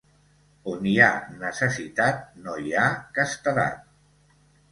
On hi ha necessitat no hi ha castedat.